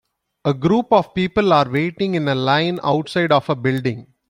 A group of people are waiting in a line outside of a building.